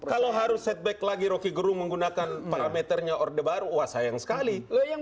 kalau harus setback lagi rocky gerung menggunakan parameternya orde baru wah sayang sekali